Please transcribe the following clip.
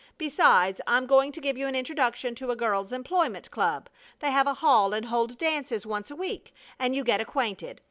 Besides, I'm going to give you an introduction to a girls' employment club. They have a hall and hold dances once a week and you get acquainted.